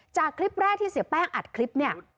จากคลิปแรกที่เสียแป้งอัดคลิปเนี่ย